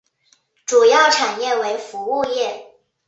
主要产业为服务业。